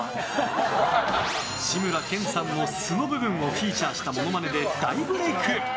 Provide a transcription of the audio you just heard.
志村けんさんの素の部分をフィーチャーしたモノマネで大ブレーク。